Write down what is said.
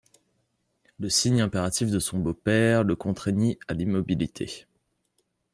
Le signe impératif de son beau-père le contraignit à l'immobilité.